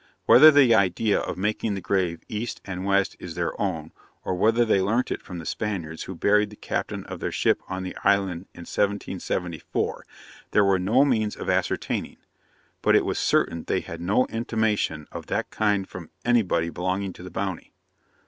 Whether the idea of making the grave east and west is their own, or whether they learnt it from the Spaniards, who buried the captain of their ship on the island in 1774, there were no means of ascertaining; but it was certain they had no intimation of that kind from anybody belonging to the _Bounty.